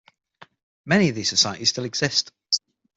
Many of these societies still exist.